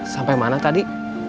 sampai mana tadi